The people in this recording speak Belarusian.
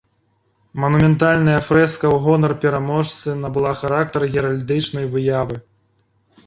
Манументальная фрэска ў гонар пераможцы набыла характар геральдычнай выявы.